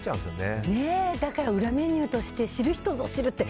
だから裏メニューとして知る人ぞ知るって。